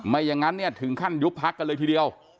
ไม่อย่างนั้นถึงขั้นยุบภักดิ์กันเลยทีเดียว